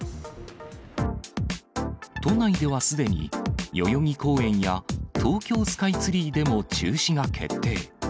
都内ではすでに、代々木公園や東京スカイツリーでも中止が決定。